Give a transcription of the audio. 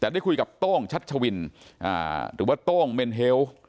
ได้คุยกับต้องชัดชวินถือว่าต้องเมนเฮลด์